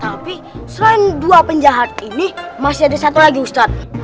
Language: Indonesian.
tapi selain dua penjahat ini masih ada satu lagi ustadz